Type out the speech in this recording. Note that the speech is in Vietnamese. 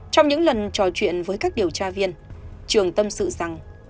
trong những lần trò chuyện với các điều tra viên trường tâm sự rằng